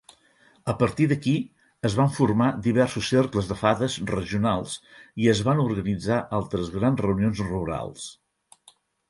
A partir d'aquí, es van formar diversos Cercles de Fades regionals i es van organitzar altres grans reunions rurals.